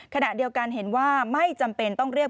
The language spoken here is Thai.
ขณะเดียวกันเห็นว่าไม่จำเป็นต้องเรียก